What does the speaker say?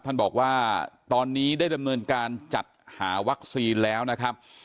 ท่านบอกว่าตอนนี้ได้ดำเนินการจัดหาวัคซีนแล้วนะครับ